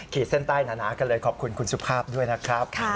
เส้นใต้หนากันเลยขอบคุณคุณสุภาพด้วยนะครับ